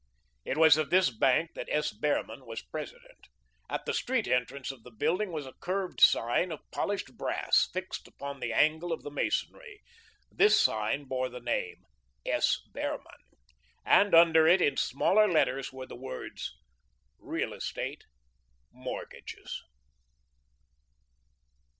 It was of this bank that S. Behrman was president. At the street entrance of the building was a curved sign of polished brass, fixed upon the angle of the masonry; this sign bore the name, "S. Behrman," and under it in smaller letters were the words, "Real Estate, Mortgages."